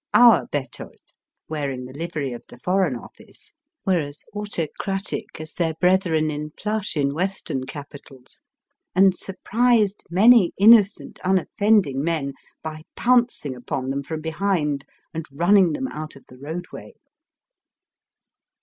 Our bettos, wearing the livery of the Foreign Office, were as auto cratic as their brethren in plush in Western capitals, and surprised many innocent un offending men by pouncing upon them from behind and running them out of the roadway.